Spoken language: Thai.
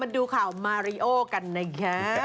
มาดูข่อมาริโอค่ะนะคะ